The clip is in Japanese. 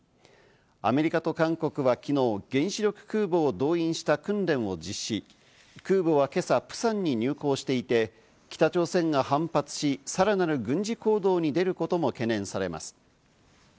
アメリカと韓国は昨日、原子力空母を動員した訓練を実施、空母は今朝、プサンに入港していて、北朝鮮が反発し、さらなる軍事行動に出ることも懸念されます。